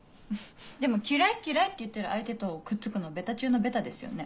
でも「嫌い嫌い」って言ってる相手とくっつくのベタ中のベタですよね。